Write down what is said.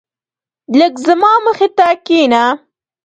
لږ زما مخی ته کينه